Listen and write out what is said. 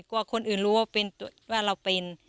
กลัวคนอื่นรู้ว่าเราเป็น